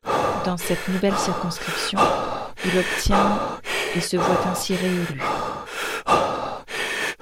Dans cette nouvelle circonscription, il obtient et se voit ainsi réélu.